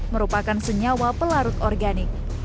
merupakan senyawa pelarut organik